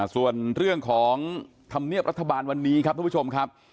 ส่วนเรื่องของธรรมเนียบรัฐบาลวันนี้ครับทุกผู้ชมครับ